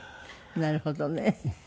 なるほどね。